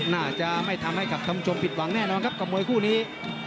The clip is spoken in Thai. น่าจะไม่ทำให้ขับคำชมผิดว่างแน่นอนครับคับมวยคู่นี่